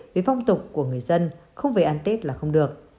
với phong tục của người dân không về ăn tết là không được